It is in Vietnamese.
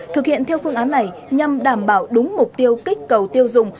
thực hiện theo phương án này nhằm đảm bảo đúng mục tiêu kích cầu tiêu dùng